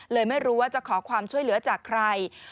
เลยไม่รู้ว่าจะขอความช่วยเหลือจากใคร